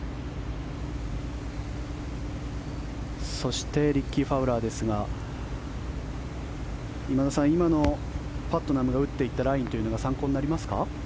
そしてリッキー・ファウラーですが今田さん、今のパットナムが打っていったラインというのが参考になりますか？